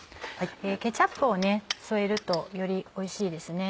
ケチャップを添えるとよりおいしいですね。